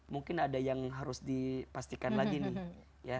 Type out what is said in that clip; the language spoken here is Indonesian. mungkin ada yang harus dipastikan lagi nih